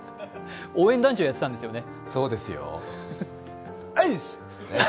応援団長やってたんですよね？